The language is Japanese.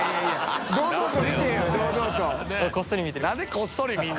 こっそり見てる。